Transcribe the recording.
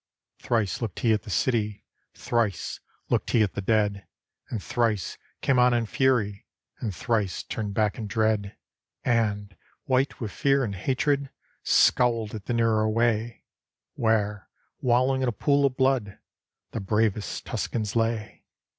Thrice looked he at the city; Thrice looked he at the dead; And thrice came on in fury. And thrice turned back in dread ; And, white with fear and hatred. Scowled at the narrow way Where, wallowing in a pool of blood, The bravest Tuscans lay.